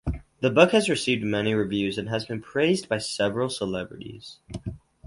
The book has received many reviews and has been praised by several celebrities.